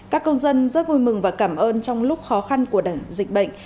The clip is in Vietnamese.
các công dân rất vui mừng và cảm ơn trong lúc khó khăn của dịch bệnh